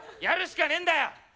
やるしかねえんだよ！